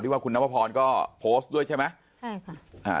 รู้ยังคุณน้องพรบฺรณ์ก็โพสต์ด้วยใช่ไหมใช่ค่ะ